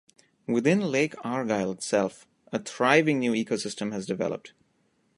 Within Lake Argyle itself a thriving new eco-system has developed.